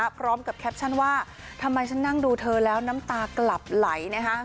พร้อมกับแคปชั่นว่าทำไมฉันนั่งดูเธอแล้วน้ำตากลับไหล